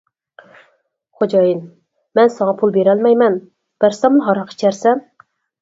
خوجايىن: مەن ساڭا پۇل بېرەلمەيمەن، بەرسەملا ھاراق ئىچەرسەن.